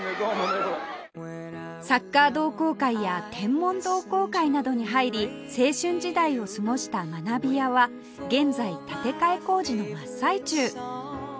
サッカー同好会や天文同好会などに入り青春時代を過ごした学び舎は現在建て替え工事の真っ最中